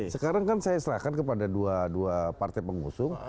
sekarang kan saya serahkan kepada dua partai pengusung